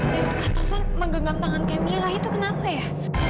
dan katovan menggenggam tangan kamila itu kenapa ya